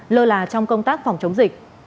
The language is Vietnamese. lơ là trong công tác phòng chống dịch